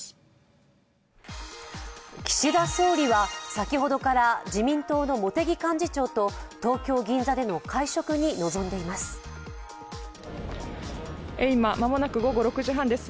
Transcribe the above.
岸田総理は先ほどから自民党の茂木幹事長と東京・銀座での会食に臨んでいます間もなく午後６時半です。